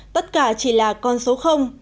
tất cả chỉ là con số